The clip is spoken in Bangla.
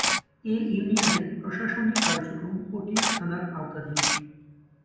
এ ইউনিয়নের প্রশাসনিক কার্যক্রম পটিয়া থানার আওতাধীন।